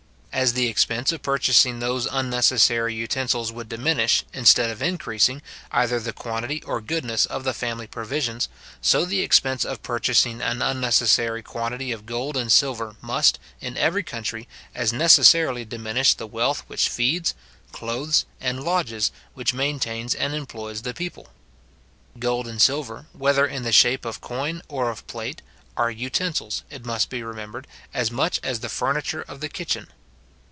As the expense of purchasing those unnecessary utensils would diminish, instead of increasing, either the quantity or goodness of the family provisions; so the expense of purchasing an unnecessary quantity of gold and silver must, in every country, as necessarily diminish the wealth which feeds, clothes, and lodges, which maintains and employs the people. Gold and silver, whether in the shape of coin or of plate, are utensils, it must be remembered, as much as the furniture of the kitchen.